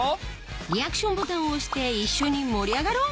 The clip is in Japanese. リアクションボタンを押して一緒に盛り上がろう！